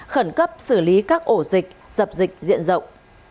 khẩn cấp xử lý các ổ dịch dập dịch diện rộng